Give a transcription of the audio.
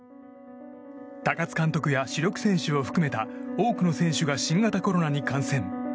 高津監督や、主力選手を含めた多くの選手が新型コロナに感染。